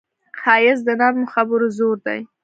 ښایست د نرمو خبرو زور دی